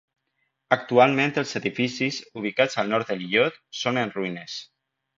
Actualment els edificis, ubicats al nord de l'illot, són en ruïnes.